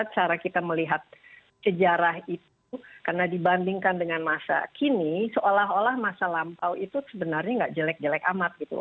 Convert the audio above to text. cara kita melihat sejarah itu karena dibandingkan dengan masa kini seolah olah masa lampau itu sebenarnya nggak jelek jelek amat gitu